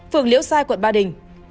phường liễu sai quận ba đình